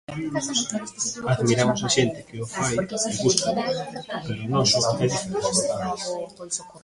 Admiramos a xente que o fai e gústanos, pero o noso é diferente.